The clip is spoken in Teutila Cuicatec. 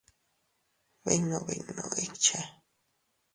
Binnu binnu ikche.